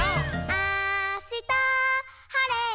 「あしたはれたら」